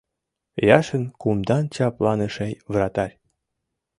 Яшин — кумдан чапланыше вратарь.